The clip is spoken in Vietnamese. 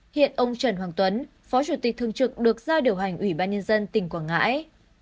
hiện ông trần hoàng tuấn phó chủ tịch thương trực được giao điều hành ubnd tỉnh quảng ngãi